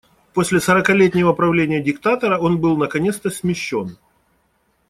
После сорокалетнего правления диктатора он был наконец-то смещён.